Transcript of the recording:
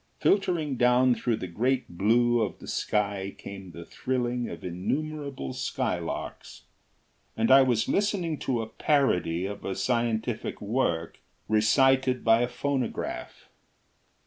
Filtering down through the great blue of the sky came the thrilling of innumerable skylarks. And I was listening to a parody of a scientific work recited by a phonograph.